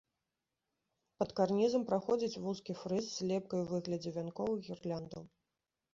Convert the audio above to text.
Пад карнізам праходзіць вузкі фрыз з лепкай у выглядзе вянкоў і гірляндаў.